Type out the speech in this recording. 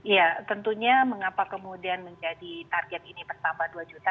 ya tentunya mengapa kemudian menjadi target ini bertambah dua juta